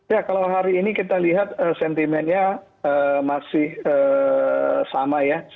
ya kalau hari ini kita lihat sentimennya masih sama ya